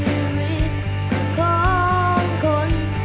ชีวิตของคน